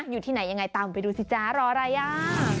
อยู่ที่ไหนยังไงตามไปดูสิจ๊ะรออะไรอ่ะ